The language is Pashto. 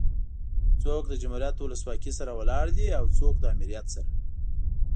څوک د جمهوريت ولسواکي سره ولاړ دي او څوک ده امريت سره